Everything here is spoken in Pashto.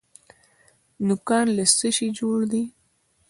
نوکان له څه شي جوړ دي؟